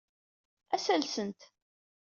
Ad as-alsent.